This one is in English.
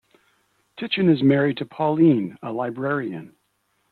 Tchen is married to Pauline, a librarian.